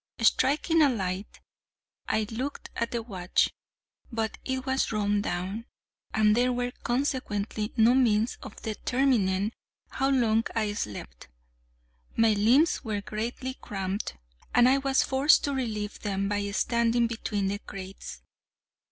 Striking a light, I looked at the watch; but it was run down, and there were, consequently, no means of determining how long I slept. My limbs were greatly cramped, and I was forced to relieve them by standing between the crates.